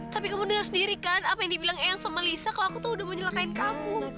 tapi kamu denger sendiri kan apa yang dibilang eyang sama lisa kalau aku tuh udah mau nyelakain kamu